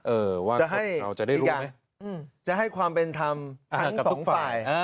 เออว่าเราจะได้รู้ไหมอีกอย่างจะให้ความเป็นธรรมทั้ง๒ฝ่าย